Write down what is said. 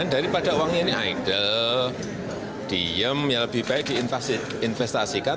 dari pada uang ini aida diem ya lebih baik diinvestasikan